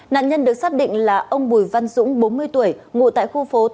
nạn nhân được xác định là ông bùi văn dũng bốn mươi tuổi ngủ tại khu phố thạm